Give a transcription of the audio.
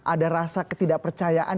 ada rasa ketidakpercayaan